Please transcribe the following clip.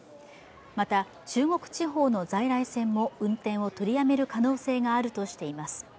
また、中国地方の在来線も運転を取りやめる可能性もあるとしています。